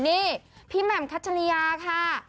นี่พี่แหม่มคัชริยาค่ะ